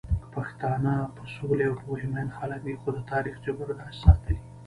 پښتانه په سولې او پوهې مئين خلک دي، خو د تاريخ جبر داسې ساتلي